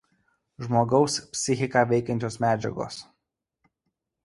Žmogaus psichiką veikiančios medžiagos.